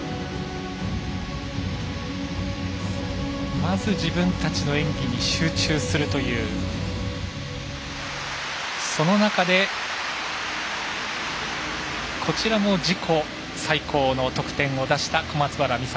まず自分たちの演技に集中するというその中で、こちらも自己最高の得点を出した小松原美里。